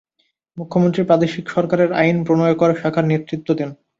মুখ্যমন্ত্রী প্রাদেশিক সরকারের আইন-প্রণয়নকর শাখার নেতৃত্ব দেন।